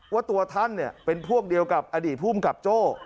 ว่าตัวท่านเนี่ยเป็นพวกเดียวกับอดีตผู้กรรมกับโจ้